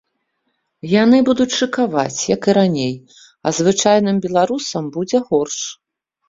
Яны будуць шыкаваць як і раней, а звычайным беларусам будзе горш.